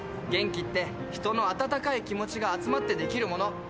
元気って人の温かい気持ちが集まってできるもの。